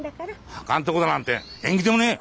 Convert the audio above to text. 墓んとこだなんて縁起でもねえ。